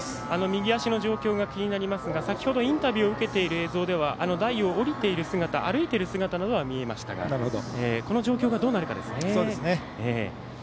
右足の状況が気になりますが先ほどインタビューを受けているところでは台を降りる姿歩いている姿が見られましたがこの状況どうなるかですね。